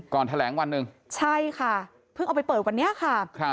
แถลงวันหนึ่งใช่ค่ะเพิ่งเอาไปเปิดวันนี้ค่ะ